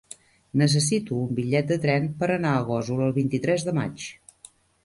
Necessito un bitllet de tren per anar a Gósol el vint-i-tres de maig.